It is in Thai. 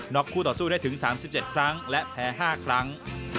็คู่ต่อสู้ได้ถึง๓๗ครั้งและแพ้๕ครั้ง